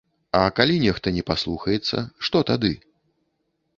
А калі нехта не паслухаецца, што тады?